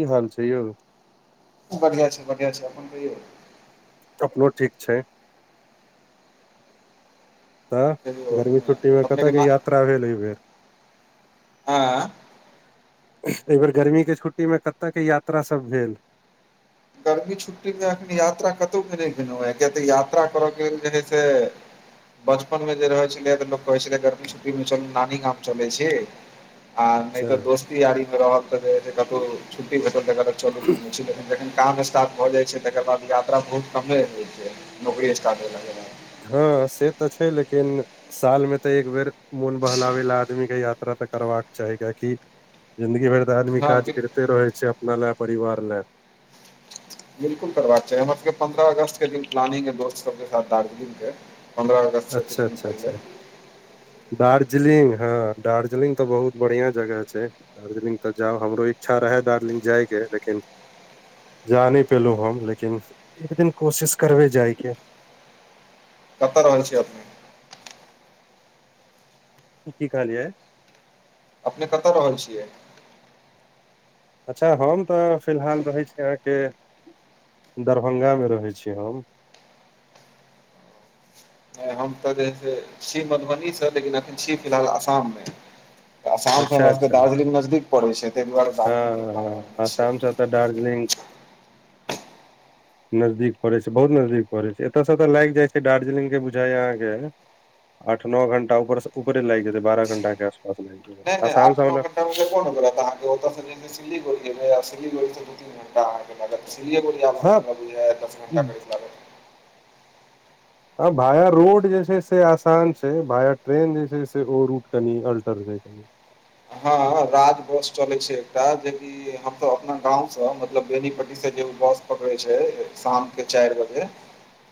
कि हाल छै यौ बढ़िआ छै बढ़िआ छै अपन कहियौ अपनो ठीक छय तऽ कहियौ गर्मी अपने छुट्टी मे कतय अपनेके के न यात्रा भेल एहि बेेर हँ ऐ बेेर गर्मी के छुट्टी मे कते के यात्रा सब भेल गर्मी छुट्टीमे एखन यात्रा कतहुके नय गेलहुँ हेँ किय तऽ यात्रा करयके लेल जे हइ से बचपन मे जे रहै छलै तऽ लोक कहै छल गरम छुट्टी मे नानी गाम चलै छी आ नय तऽ अच्छा, दोस्ती यारी मे रहल तऽ कतहु छुट्टी भेटल देख तऽ चलू घुम छी लेकिन देख काम स्टार्ट भ जाय छै तकर बाद यात्रा बहुत कमे होय छै नौकरी स्टार्ट हो के बाद हँ से तऽ छै लेकिन साल मे तऽ एक बेर मोन बहलाबै ला आदमीक के यात्रा तऽ करबाक चाही कियाकी जिंन्दगी भैर तऽ आदमी हँ काज बिल करिते रहैत छै अपना लए परिवार लए बिलकुल करबाक चाही हमर सभके पन्द्रह अगस्तके द प्लानिंगग दोस्त सभके साथ दार्जिलिंग के पन्द्रह अगस्त अच्छा किछ दिन अच्छा अच्छा पहिले दार्जिलिंग हँ दार्जलिंग तऽ बहुत बढ़िआ जगह छय दार्जलिंग तऽ जाउ हमरो इच्छा रहै दार्जलिंग जायके लेकिन जा नय पेलहु हम लेकिन एक दिन कोशिश करबै जाय के [inaudible] कतऽ रहल छी अपने की कहलियै अपने कतऽ रहे छियै अच्छा हम तऽ फिलहाल रहैत छी अहाँके दरभंगा मे रहैत छी हम हम तऽ जे है से छी मधुबनी सँ लेकिन अखन छी फिलहाल आसाम मे आसाम स अच्छा हमरा सब के अच्छा दार्जलिंग नजदीक पड़ै छै तहि दुआरे हँ दार्जलंग के प्लान बन हँ छै आसाम से तऽ दार्जिलिंग नजदीक पड़ै छै बहुत नजदीक पड़ै छै एतय से एतय लाइग जाइ छै दार्जलिंग के बुझाइ अहके आठ नौ घंटा ऊपर ऊपरे लाग जेतै बारह घंटाे नय नय आठ नओ घंटा मे [inaudible] रहते आओत से सिलीगुड़ी गेलै सिलीगी दून सिलीगुरीए अबै हँ म बुझाए बिस दस घणटा कै आ भाया रोड जे छै से आसान छै भाया ट्रेन जे छै से ओ रूट कनि अल्टर छै हँ राज बस चल छै एकटा जेकि हम तऽ अपना गाँंव मतलब बेनी पट्टी से जे बस पकड़े छै शाम के चारि बजे [inaudible]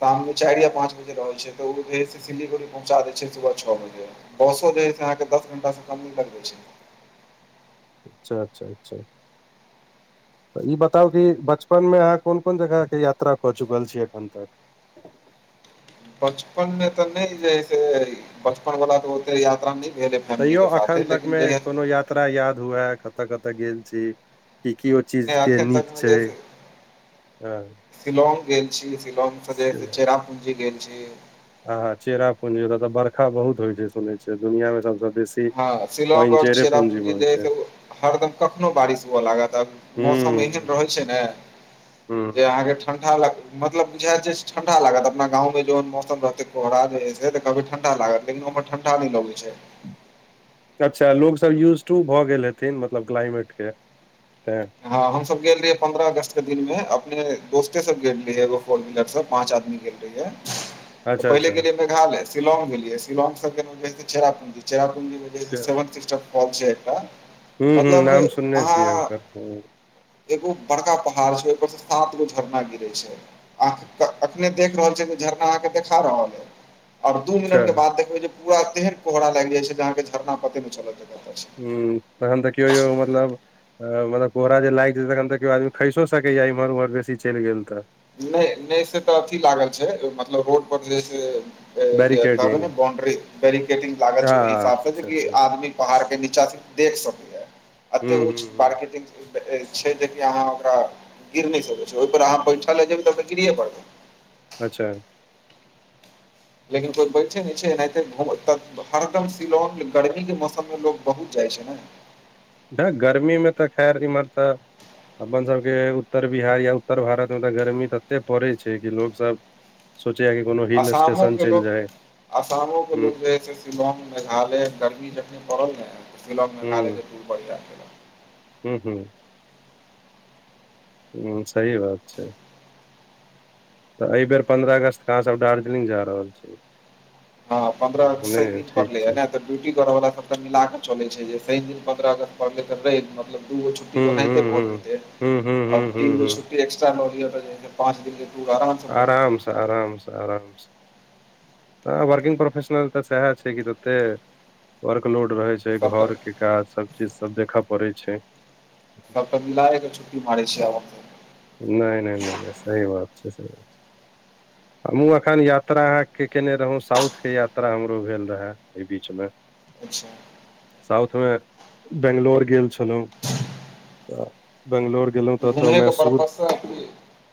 शाममे चाइर या पाँच बजे रहै छै तऽ ओ जे छै से सिलीगुड़ी पहुचा द छै सुबह छओ बजे बसो जे से अहाँकेँ दस घंटास से कम नहि लगै छै, अच्छा अच्छा तऽ ई बताउ कि बचपन मे अहाँ कोन कोन जगह के यात्रा कऽ चुकल छियै एखन तक। बचपन मे तऽ नहि जैसे बचपन वाला तऽ ओते याता नै भेले तैयो अखन तक मे कोनो यात्रा याद हुए कतय कतय गेल छी कि चीज के एखन नीक छै ह शिलग गेल छी सिलग सँ चेरापुंजी गेल छी, आा चेरा पुंजी ओत तऽ वर्षा बहुत होई छै सुनै छै दुनिया सभसँ बेसी हँ शिलोग पानि ओर चेरे पूंजी मे चेरापुंजी होइ जे छै हरदम कखनो बारिश हुआ लागत आब मौसम एहन हूं रहैत छै ने जे हूं अहाँकेँ ठंडा लागत मतलब बुझाय जे ठंडा लागत अपना गाव जन मौसम रहते कोहरा की ठंडा लागत लेकिन ओ ट नै लगे छै। अच्छा लोग सभ यूज टू भऽ गेल हेथिन मतलब क्लाइमेट के तै। हा हम सभ गेल रहियै पंन्द्रह अगस्त के दिन मे अपने दोस्ते सभ गेल रिहे एगो फोर व्हीलर से पाँच आदमी गेल यै। तै अच्छा पहिले अच्छा गेलियै मेघालय, शिलोग गेलियै, शिलोग से फेर चेरापूंजी, चेरापूंजी मे छै एकटा। हू हू मतलब नाम सुनने अहाँ छियै ओकर। एगो बड़का पहाड़ छै ओय पर से सातगो झरना गिरे छै। आ कऽ अखने देख रहल छियै जे झरना अहाँकेँ देखा रहल ए। और दू अच्छा मिनट के बाद देखबे जे पूरा तेहेन कोहरा लाएग जाय छै जे अहाँकेँ झरना पते नै चलत जे कता छै। हु तहन देखियौ यौ मतलब मतलब कोहरा जे लागै छै तखन तै कियौ आदमी खेसो सकय यै इम्हर-उम्हर बेसी चैल गेल तै। नै नै से तऽ अथी लागल छै, मतलब रोड पर जे छै तऽ जे कहबै बैरिकेडिंग नै बाउंड्री बैरिकेडिंग लागल छै ओय हँ हिसाब से जे अच्छा कि अच्छा हुं आदमी पहाड़ के नीचा से देख सकय यै अते ऊच। हुं हुं बारकेडिग दऽ ए छै जे की अहाँ ओकरा गिर नै सकै छै ओय पर अहाँ बैठ तब नै जेबही तबते गिरयै पड़ते। अच्छा लेकिन कोय बैठे नै छै नै तै घूम त हरदम सिलोग गर्मी के मौसम मे लोग बहुत जाए छै नै। गर्मी मे तै खैर इम्हर तै अपन सभके उत्तर बिहार या उत्तर भारत में तै गर्मी तत्ते पड़े छै कि लोग सभ सोचै यै कि कोनो। असामो के चलि लोक जाय असामो के हुं लोक जे हय स शिलोग, मेघालय गर्मी जखनी पड़ल नै ते शिलोंग मेघालय के दूर हू हू हु सही बात छै। तै ए बेर पन्द्रह अगस्त के अहाँ सभ दार्जलिंग जा रहल छी। हा पन्द्रह अगस सँ एक नहि दिन ठीक पहले छै एने तै ड्यूटी करय वला सभ तै मिलाके चले छै जे शैन दिन पन्द्रह अगस्त परले तऽ रैब मे तै दुगो छुट्टी हुं तै ओन्हे। हुं एते भोट हुं देते हुं हुं आ हुं हुं तीनगो हुं छुट्टी एक्स्ट्रा लऽ लिया तै जे छै पाँच दिन के टुर आराम आराम से, आराम से हा वर्किग प्रोफेशनल तै सेहा छै कि तत्ते वर्क लोड रहे छै छै सभटा घर के काज सब चीज सब देखऽ पड़ै छै सब मिलाय के छुट्टी मारे छीयै अहां त नय नय नय नय सही बात छै सही बात छै हम्हु अखन यात्रा अहाँ के केने रहौ साउथ के यात्रा हमरो भेल रहे ए बीच मे अच्छा साउथ मे बैंगलोर गेल छलौं अ बैंगलोर घुमैयो के पर्पस स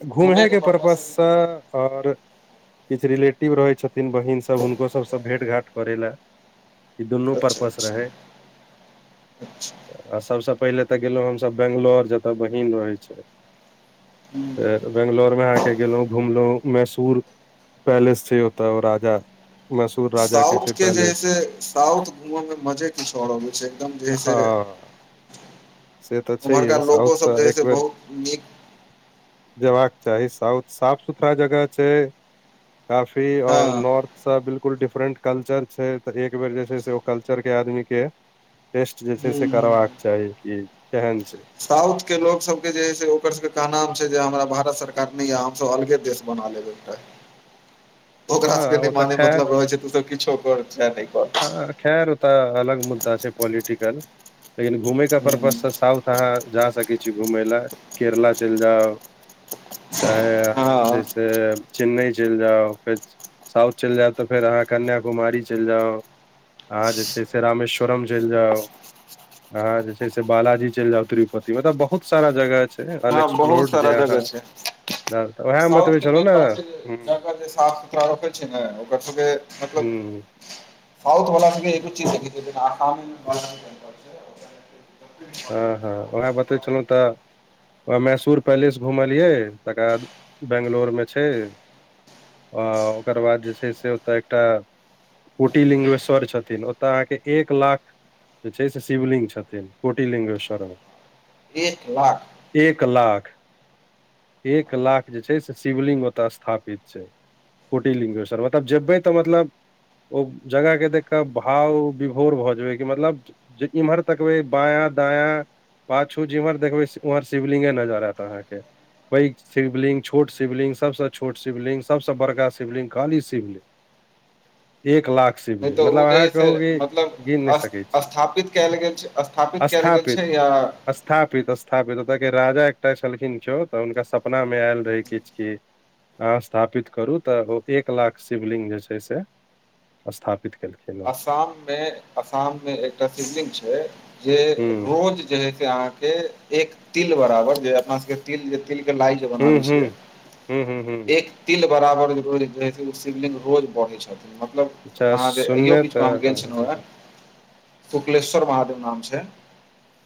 घूमहे के पर्पस स आओर किछ रिले टिव रहै छथिन बहिन सब हुनको सब सऽ भेंट घाट करै लय ई दुनू अच्छा पर्पस रहै अच्छा अच्छा अ सब सऽ पहिले तऽ गेलौ हम सब बैंगलोर जतय बहिन रहै छै ह्म फेर बैंगलोर मे अहाँ के गेलो घुमलो मैसूर पैलेस छै ओतय राजा मैसूर राजा साउथ छै के जे हय पैलेस छै साउथ घूमय मे मजे किछ और आबै छै एकदम जे हँ से से तऽ छैहे साउथ तऽ एक बेर निक जबाक चाही साउथ साफ सुथरा जगह छै काफी आओर हँ नॉर्थ सब बिलकुल डिफरेंट कल्चर छै तऽ एक बेर जे छै से ओ कल्चर के आदमी के टेस्ट जे छै हूँ से हूँ करबाक चाही कि केहन छै साउथ के लोग सब के जे है से ओकर सबके कहनाम छै जे हमरा भारत सरकार न हम सब अलगे देश बना लेबै एकटा ओकरा सबके हँ ओ नय तऽ माने मतलब रहै छै तु सब किछो कर चाहे नय कर ह खरि ओ तऽ अलग मुद्दा छै पोलिटिकल लेकिन घूमै का परर्पज हूँ सऽ साउथ अहाँ जा सकै छी घुमय लए केरला चलि जाउ चाहे अहाँ जे छै हँ से चेन्नइ चलि जाउ फेर साउथ चलि जायब तऽ फेर अहाँ कन्याकुमारी चलि जाउ अहाँ जे छै से रामेश्वरम चलि जाउ आह जे छै से बालाजी चलि जाउ तिरुपति मतलब बहुत सारा जगह छै हँ बहुत अनएक्सप्लोर्ड जे सारा अहाँ जगह छै तऽ उएहे हम साउथ बतबै छलहु ने ह ओरा रखै छै ने ओकर सबके मतलब साउथ वला मे एकु ची देख [unintelligible] हँ हँ उएह बतबै छलहुँ तऽ से ओ मैसूर पैलेस घुमलियै तकर बाद बैंगलोर मे छै आ ओकर बाद जे छै से ओतय एकटा कुटी लिंगेश्वर छथिन ओतऽ अहाँके एक लाख जे छै से शिवलि्ंग छेथिन कोटी लिंगेश्वरम मे एक लाख एक लाख एक लाख जे छै से शिवलिंग ओतय स्थापित छै कोटी लिंग्वेसर मतलब जेबै तऽ मतलब ओ जगह के देख कऽ भाव विभोर भऽ जेबै कि मतलब जे इम्हर तकबै बायाँ दायाँ पाछू जिमहर देखबै उमहर शिवलिंगे नजर एत अहाँके पैघ शिवलिंग छोट शिवलिंग सब स छोट शिवलिंग सभ सँ बड़का शिवलिंग खाली शिवलिंग एक लाख नय तऽ शिवलिंग ओ मतलब जे है अहाँ से कहू कि मतलब गिन नहि अस सकै छी स्थापित कयल गेल स्थापित कयल गेल छै य स्थापित स्थापित ओतऽ के राजा एकटा छलखिन केो तऽ हुनका सपना मे आयल रहै किछु कि अहाँ स्थापित करू तऽ ओ एक लाख शिवलिग जे छै से स्थापित केलखिन। आसाम मे आसाम मे एकटा फिलडिग छै जे हँ रोज जे हे अहाँकेँ एक तिल बराबर जे अपना सभके तिल तिल के लाई जे हुँ बनाबै हुँ छियै हुँ हुँ हुँ हुँ एक तिल बराबर रोज जे है से ओ शिवलिग रोज बढ़ै छथिन मतलब अच्छा सुनने त कुकलेश्वर महादेव नाम छै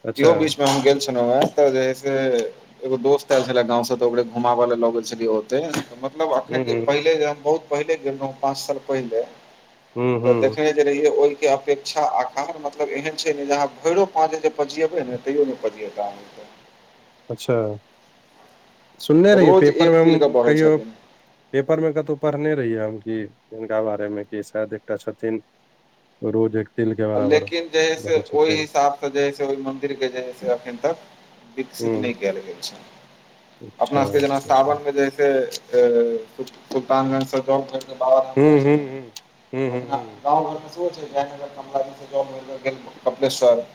अच्छा इहो बीच मे हम गेल छलहुँ हे जे है से एगो दोस आयल छले गाव से तऽ ओ घुमाब ले लग गेल छलियै ओते मतलब हुँ अखन जे हुँ पहिले जे हम बहुत पहिले गेल रहे पाँच साल पहिले हुँ हुँ तऽ हुँ, देखने रहिय ओहि के अपेक्षा आकार मतलब एहन छै ने जेहा भैरो पाँच जे पजियेबे ने तैयो नहि पतियए तहाँकेँ अच्छा सुने रहियै रोज एक पेपर मे हम तिल के बढ़ै कहियो छथिन पेपर मे कतौ पढ़ने रहियै हम कि जिनका बारे मे कि शायद एकटा छथिन रोज एक तेल के आ बराबर लेकिन जे है से भरे ओहि छथिन हिसाबसँ जे ओहि मन्दिर के जे अखन तक विकसित हुँ नहि कयल गेल छै अपना अच्छा सभके जेना अच्छा अच्छा सावन मे जे हइ से सुलतानगंज सँ जब करके बाबा राम जाै छै। ओ गाव घर मे सँ हो छै जयनगर कमलाज जे कपलेश्वर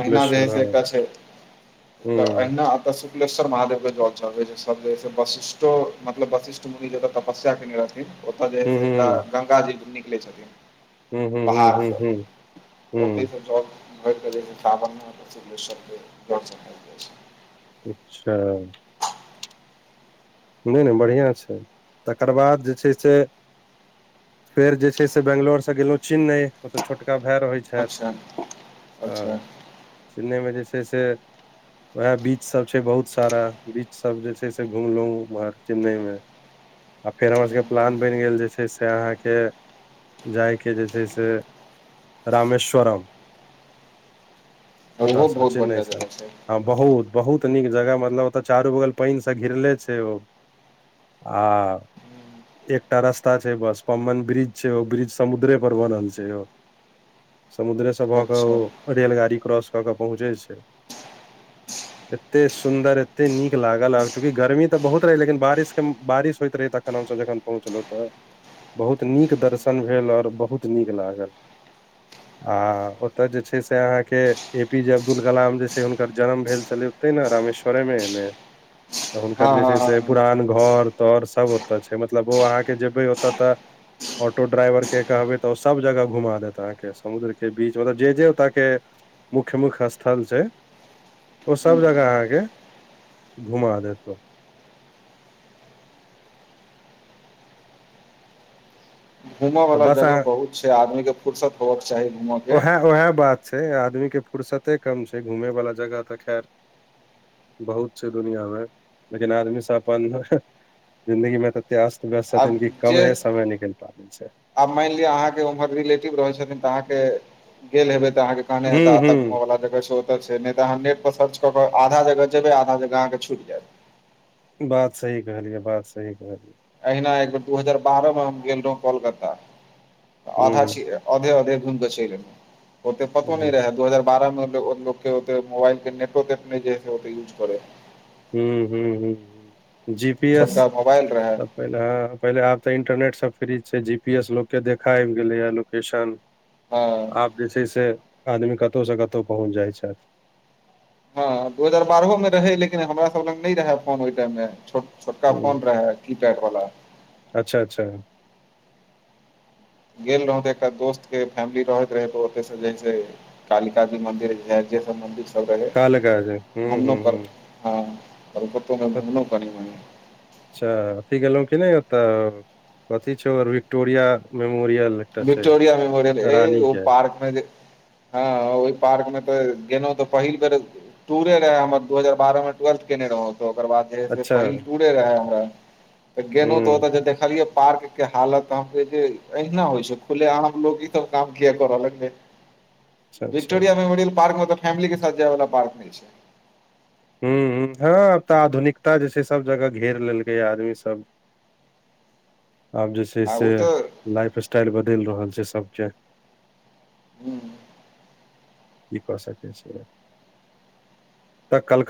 अहिना जे है सेतऽ छै तऽ अहिना एत कुिलेश्वर महादेव के जल सभ वशिष्ठो मतब वशिष्ठ मुवि जे तपस्या के ओतऽ जे है एकटा गंगा जी निकले छथिन। हुँ, हुँ, हुँ, हुँ, हुँ, हुँ, पहाड़सँ ओतस छै। अच्छा। नहि नहि बढ़िआ छै तकर बाद जे छै से। फेर जे छै से बेगलोर से गेलो चेन्नई ओते छोटका भाय रहय छै। छथि हँ अच्छा चिन्नइ मे जे छै से। वएह बीच सभ छै बहुत सारा बीच सभ जे छै से घुमलहु। उम्हर चेन्नइमे आ फेर हमर सभके प्लान बनि गेल जे छै से अहाँकेँ। जायके जे छै से रामेश्वरम। ओत ओहो स बहुत चेन्नई बढ़िआँ सर जगह छै ह। बहुत बहुत नीक जगह मतलब ओत चारू बगल पानि से घिर ले छै ओ। आ। एकटा रस्ता छै बस पेन ब्रिज छै ओ ब्रिज समुद्रे पर बनल छै ओ। समुद्रेसँ भऽ कऽ अच्छा ओ रेलगाड़ी क्रॉस कऽ पहुँचै छै। एते सुंन्दर एते नीक लागल आ चूकि गर्मी तऽ बहुत। रह लेकिन बारिश के बारिश होइत रहै तखन हमस जखन पहुँच तऽ। बहुत नीक दर्शन भेल ओर बहुत नीक लागल। आ ओतय जे छै से अहाँकेँ ए पी जे अब्दुल कलाम जे छै हुनकर जन्म भेल छलै। ने रमेश्वरेमे ने हँ हुनकर हँ जे छै। हँ से हँ पुरान घर तर सभ ओतऽ छै मतलब ओ अहाँकेँ जेबै ओतऽ तऽ। ऑटो ड्राइवर के कहबै तऽ ओ सभ जगह घुमा देत अहाँके समुद्र के बीच मतलब जे जे ओतय के मुख्य मुख्य स्थल छै ओ सभ हूँ जगह हूँ अहाँके घुमा देत औ घूमऽ तऽ वला बस जगह अहाँ बहुत छै आदमी के फुर्सत होव के चाही घूम उएह उएह बात छै आदमी के फर्सते कम छै घूमेवला जगह तऽ खैर बहुत छै दुनिया मे लेकिन आदमी सब अपन जिंन्दगी मे ततै अस्त व्यस्त आब छथिन जे कम है समय निकल पाबै छै आब माइन लिअ अहाँके उम्हर रिलेटिव रहे छथिन तऽ अहाँके गेल हेबे तऽ अहाँके तहने हूं ऐता हूं [inaudible] ओतऽ छै नय तऽ अहाँ नेट पर सर्च कऽ केऽ आधा जगह जेबै आधा जगहके छूटि जायत बात सही कहलियै बात सही कहलियै अहिना एक बेर दू हजार बारह मे हम गेल रहौ कोलकत्ता आधा हूं छिय आधे अधे घूम के चइल एल ओते पतो जी न रहै दू हजार बारह मे केओ के मोबाइल के नेटो तेट ने जे ह ओ यूज करे [unintelligible] जी पी एस छोटका मोबाइल रहे पहिले ह पहिले आब तऽ इंटरनेट से फ्री छय जी पी एस लोक के देखा आबि गेले ये लोकेशन हँ आब जे छै से आदमी कतहु से कतहु पहुँच जाइ छैथ हँ दू हजार बारहो में रहे लेकिन हमरा सब लग नय रहे फोन ओइ टाइम मे छ छोटका हुं फोन रहे की टाइप बला अच्छा अच्छा गेल रहौ तऽ एकटा दोस्त के फैमिली रहैत रहै त ओतयसँ जे से कालिका जी मन्दिर है जे समबन्धित त रहे काल काज हुं घुमलो हुं हुं हँ कलकत्तो मे घुमलो कनी मनी अच्छा अथी गेलो की ने ओतऽ कथी छोर विक्टोरिया मेमोरियल एकटा छै विक्टोरिया मेमोरियल ऐे रानी ओ के पार्क हँ जे ओइ पार्क मे तऽ गेलो तऽ पहिल बेर टूरे रहै हमर दू हजारह मे ट्वेल्थ केने रहो ओकर बाद जे से अच्छा पहिल टूरे रहे हमरा त गेलहु हुं तऽ ओत देखलियै पार्क हालत त अहाँ कहितिए जे अहना होइ छै खुले आम लोग ईसब काम किया कर ल गले अच्छा अच्छा विक्टोरिया मेमोरियल पार्क मे तऽ फैमिली के साथ जाय वला बात नय छैय हुँ हुँ हँ आब तऽ आधुनिकता जे छैय सब जगह घेर लेलकैये आदमी सब आब जे छैय आ से ओ लाइफ स्टाइल बदैल रहल छैय सबके [inaudible] ई कऽ सकैय छी तऽ कलका